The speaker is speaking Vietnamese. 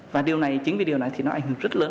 và điều này chính vì điều này thì nó ảnh hưởng rất lớn